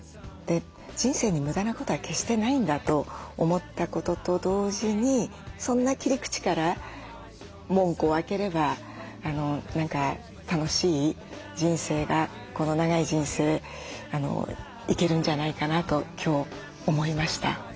人生に無駄なことは決してないんだと思ったことと同時にそんな切り口から門戸を開ければ楽しい人生がこの長い人生いけるんじゃないかなと今日思いました。